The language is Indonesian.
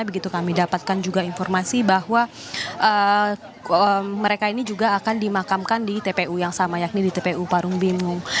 begitu kami dapatkan juga informasi bahwa mereka ini juga akan dimakamkan di tpu yang sama yakni di tpu parung bingung